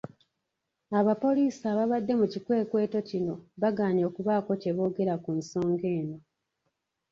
Abapoliisi ababadde mu kikwekweto kino bagaanye okubaako kye boogera ku nsonga eno.